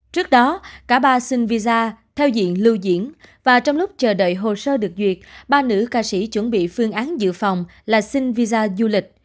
trước đó cả ba xin visa theo diện lưu diễn và trong lúc chờ đợi hồ sơ được duyệt ba nữ ca sĩ chuẩn bị phương án dự phòng là xin visa du lịch